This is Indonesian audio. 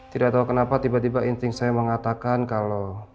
tidak tahu kenapa tiba tiba saya mengatakan kalau